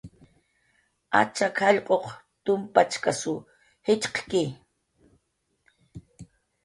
Achak jallq'uq tumpachkasw jitxqki